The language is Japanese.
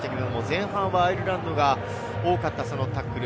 前半アイルランドが多かったタックル。